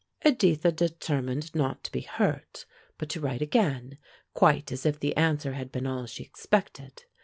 Editha determined not to be hurt, but to write again quite as if the answer had been all she expected.